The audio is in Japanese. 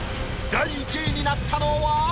第１位になったのは？